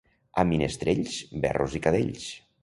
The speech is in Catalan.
A Ministrells, verros i cadells.